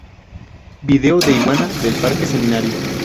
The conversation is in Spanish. Vídeo de Iguana del Parque Seminario